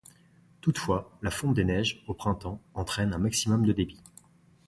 Toutefois, la fonte des neiges, au printemps, entraîne un maximum de débit.